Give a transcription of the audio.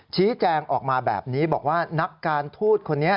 ชี้แจงออกมาแบบนี้บอกว่านักการทูตคนนี้